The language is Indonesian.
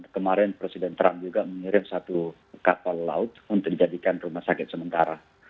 kemarin presiden trump juga mengirim satu kapal laut untuk dijadikan rumah sakit sementara